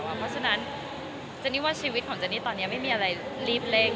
เพราะฉะนั้นเจนนี่ว่าชีวิตของเจนี่ตอนนี้ไม่มีอะไรรีบเร่ง